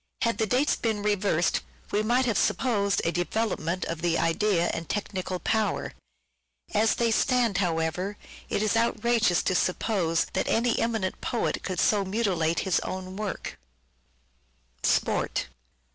Had the dates been reversed we might have supposed a development of the idea and technical power. As they stand, however, it is outrageous to suppose that any eminent poet could so mutilate his own work. 522 "SHAKESPEARE" IDENTIFIED sport.